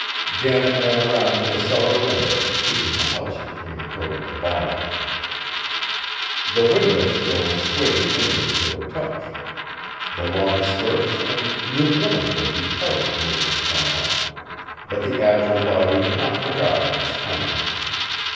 Janet ran around to the cellar window, keeping the house between her and the barns. The window still swayed inward to her touch! The long skirts and new womanhood retarded movement somewhat, but the agile body had not forgotten its cunning.